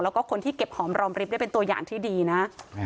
แล้วก็คนที่เก็บหอมรอมริบได้เป็นตัวอย่างที่ดีนะ